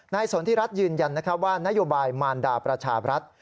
สนทิรัฐยืนยันว่านโยบายมารดาประชาบรัฐ